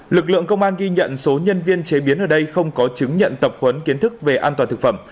lực lượng công an ghi nhận số nhân viên chế biến ở đây không có chứng nhận tập huấn kiến thức về an toàn thực phẩm